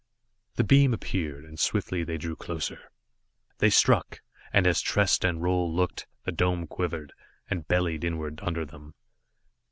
The beams appeared, and swiftly they drew closer. They struck, and as Trest and Roal looked, the dome quivered, and bellied inward under them.